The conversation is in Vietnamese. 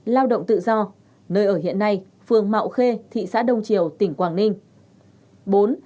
lao động tự do nơi ở hiện nay phường mạo khê thị xã đông triều tỉnh quảng ninh